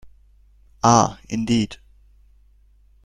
Ah, indeed.